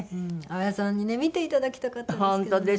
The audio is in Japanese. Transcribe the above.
淡谷さんにね見ていただきたかったですけどね。